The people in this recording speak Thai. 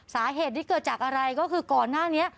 สาเหตุที่เกิดจากอะไรก็คือก่อนหน้านี้